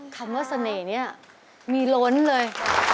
คำว่าเสน่ห์นี้มีล้นเลย